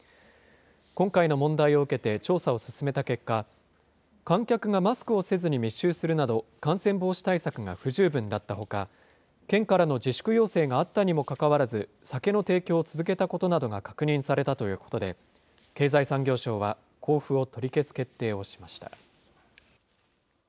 今回の問題を受けて調査を進めた結果、観客がマスクをせずに密集するなど、感染防止対策が不十分だったほか、県からの自粛要請があったにもかかわらず、酒の提供を続けたことなどが確認されたということで、経済産業省は交付を取り消す決定をしました。